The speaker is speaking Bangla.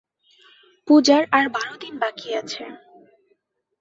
পূজার আর বারো দিন বাকি আছে।